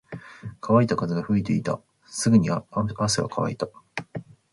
乾いた風が吹いていた。すぐに汗は乾いた。